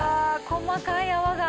細かい泡が。